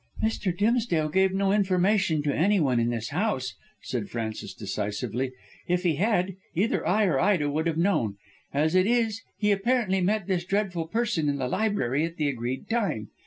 "Mr. Dimsdale gave no information to anyone in this house," said Frances decisively; "if he had, either I or Ida would have known. As it is, he apparently met this dreadful person in the library at the agreed time.